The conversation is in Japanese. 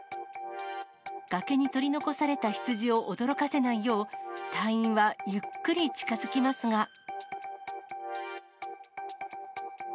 崖に取り残された羊を驚かせないよう、隊員はゆっくり近づきますが。